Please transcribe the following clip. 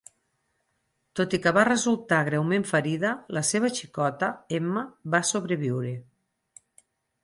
Tot i que va resultar greument ferida, la seva xicota, Emma, va sobreviure.